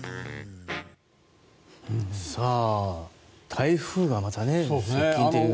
台風がまた接近ということで。